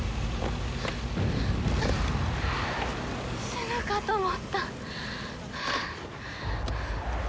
死ぬかと思った。